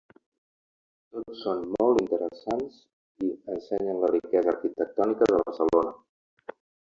Tots són molt interessants i ensenyen la riquesa arquitectònica de Barcelona.